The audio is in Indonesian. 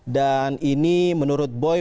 dan ini menurut boy